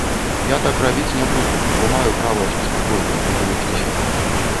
Я так рабіць не буду, бо маю права жыць спакойна, не баючыся.